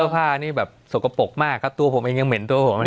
ฝ้านี้แบบสกปรกมากตัวผมยังเหม็นตัวผม